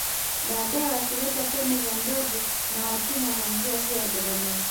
Baadae wakileta pembe za ndovu na watumwa Kwa njia hiyo Bagamoyo